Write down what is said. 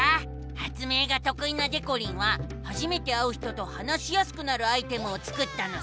発明がとくいなでこりんは初めて会う人と話しやすくなるアイテムを作ったのさ！